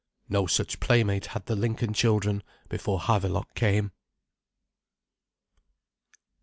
No such playmate had the Lincoln children before Havelok came.